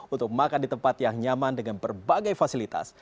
untuk makan di tempat yang nyaman dengan berbagai fasilitas